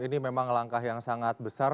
ini memang langkah yang sangat besar